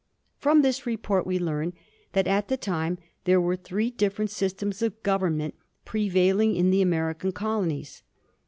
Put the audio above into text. From this report we learn that at the time there were three different systems of government prevailing in the American colonies.